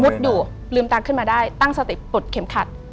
อยู่ลืมตาขึ้นมาได้ตั้งสติปลดเข็มขัด